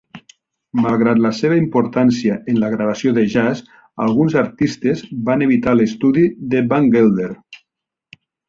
Malgrat la seva importància en la gravació de jazz, alguns artistes van evitar l'estudi de Van Gelder.